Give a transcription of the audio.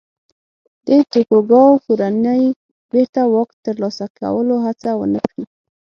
د توکوګاوا کورنۍ بېرته واک ترلاسه کولو هڅه ونه کړي.